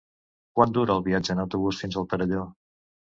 Quant dura el viatge en autobús fins al Perelló?